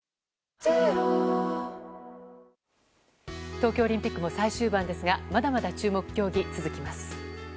東京オリンピックも最終盤ですがまだまだ注目競技は続きます。